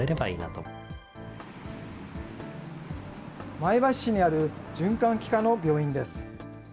前橋市にある循環器科の病院です。